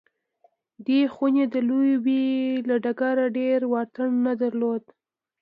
دې خونې د لوبې له ډګره ډېر واټن نه درلود